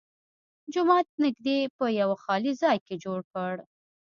جومات یې نږدې په یوه خالي ځای کې جوړ کړ.